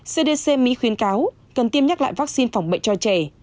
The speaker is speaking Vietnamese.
cdc mỹ khuyến cáo cần tiêm nhắc lại vaccine phòng bệnh cho trẻ